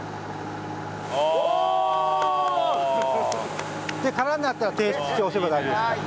おお！で空になったら「停止」押せば大丈夫ですから。